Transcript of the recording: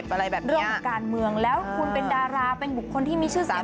อะไรแบบนี้เรื่องของการเมืองแล้วคุณเป็นดาราเป็นบุคคลที่มีชื่อเสียง